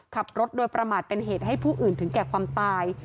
ขับรถโดยประมาทเป็นเหตุให้ผู้อื่นถึงแก่ความตาย